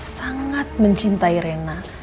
mereka sangat mencintai rena